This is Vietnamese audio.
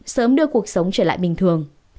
sớm đưa cuộc sống trở lại bình thường